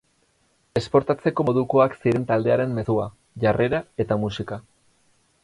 Esportatzeko modukoak ziren taldearen mezua, jarrera eta musika.